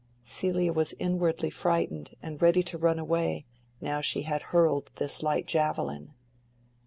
Celia was inwardly frightened, and ready to run away, now she had hurled this light javelin.